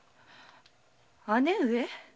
姉上？